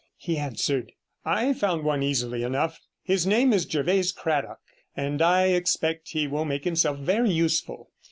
he answered; 'I found one easily enough. His name is Jervase Cradock, and I expect he will make himself very useful.